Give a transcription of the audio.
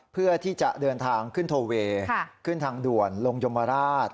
เพื่อที่จะเดินทางขึ้นโทเวย์ขึ้นทางด่วนลงยมราช